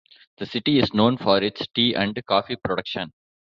The city is known for its tea and coffee production.